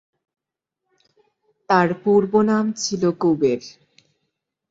তার পূর্বনাম ছিল কুবের।